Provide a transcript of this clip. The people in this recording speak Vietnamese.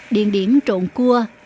điên điển trộn cua